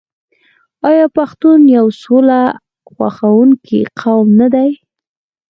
آیا پښتون یو سوله خوښوونکی قوم نه دی؟